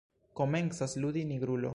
Komencas ludi Nigrulo.